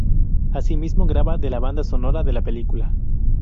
Así mismo graba la banda sonora de la película.